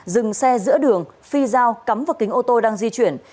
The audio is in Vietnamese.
dừng xe giữa đường phi giao cắm vào kính ô tô đang di chuyển